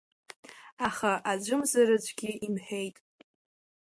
Аха аӡәымзар-аӡәгьы имҳәеит…